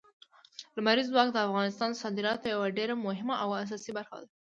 لمریز ځواک د افغانستان د صادراتو یوه ډېره مهمه او اساسي برخه ده.